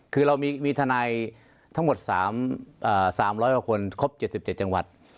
คือเรามีทนายทั้งหมด๓๐๐กว่าคนครบ๗๗จังหวัด